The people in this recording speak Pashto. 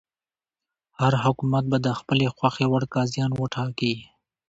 هر حکومت به د خپلې خوښې وړ قاضیان وټاکي.